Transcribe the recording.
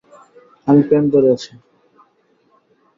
আমি প্যান্ট ধরে আছি!